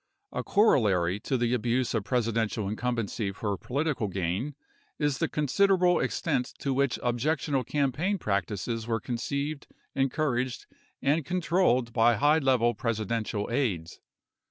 A corol lary to the abuse of Presidential incumbency for political gain is the considerable extent to which objectionable campaign practices were ( 107 ) 108 conceived, encouraged, and controlled by high level Presidential aides.